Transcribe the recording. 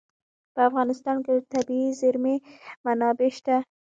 په افغانستان کې د طبیعي زیرمې منابع شته.